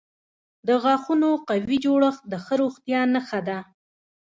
د غاښونو قوي جوړښت د ښه روغتیا نښه ده.